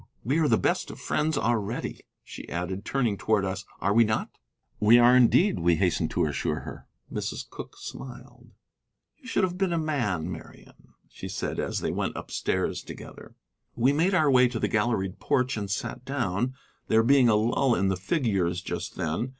We are the best of friends already," she added, turning towards us, "are we not?" "We are indeed," we hastened to assure her. Mrs. Cooke smiled. "You should have been a man, Marian," she said as they went upstairs together. We made our way to the galleried porch and sat down, there being a lull in the figures just then.